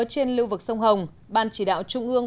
trên lưu vực sông hồng ban chỉ đạo trung ương